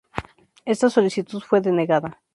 Esta solicitud fue denegada.